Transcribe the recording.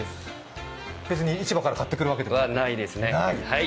別に市場から買ってくるないですね。